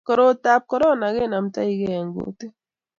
korot tab korona kenamtaigei eng kutik